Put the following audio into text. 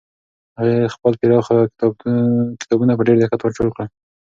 هغې خپل پراته کتابونه په ډېر دقت ور ټول کړل.